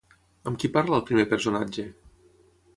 Amb qui parla el primer personatge?